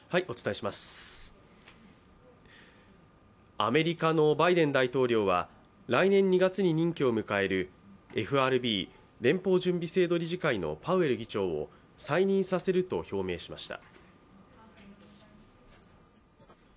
アメリカのバイデン大統領は来年２月に任期を迎えるＦＲＢ＝連邦準備制度理事会のパウエル議長を再任させると表明しました。